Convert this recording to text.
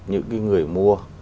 những cái người mua